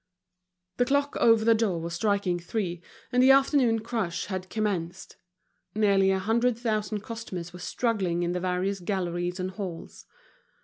The clock over the door was striking three, and the afternoon crush had commenced, nearly a hundred thousand customers were struggling in the various galleries and halls.